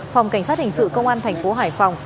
phòng cảnh sát hình sự công an thành phố hải phòng